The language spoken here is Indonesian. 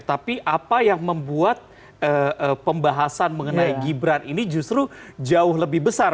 tapi apa yang membuat pembahasan mengenai gibran ini justru jauh lebih besar